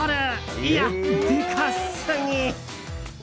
いや、でかすぎ！